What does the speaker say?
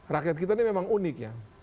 rakyat kita ini memang unik ya